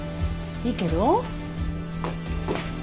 いいけど。